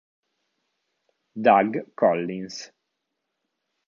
Doug Collins